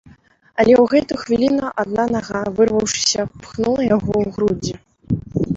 Але ў гэтую хвіліну адна нага, вырваўшыся, пхнула яго ў грудзі.